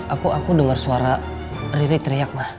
aku denger suara riri teriak ma